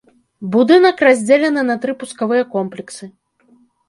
Будынак раздзелены на тры пускавыя комплексы.